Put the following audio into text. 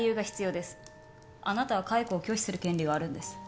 あなたは解雇を拒否する権利があるんです。